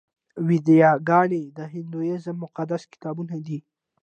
ویداګانې د هندویزم مقدس کتابونه دي.